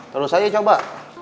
terus aja coba